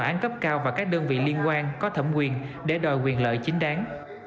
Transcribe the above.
án cấp cao và các đơn vị liên quan có thẩm quyền để đòi quyền lợi chính đáng